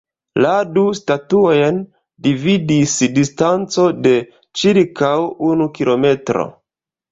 La du statuojn dividis distanco de ĉirkaŭ unu kilometro.